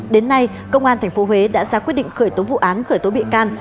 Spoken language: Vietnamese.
đến nay công an tp huế đã ra quyết định khởi tố vụ án khởi tố bị can